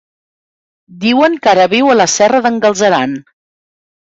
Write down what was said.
Diuen que ara viu a la Serra d'en Galceran.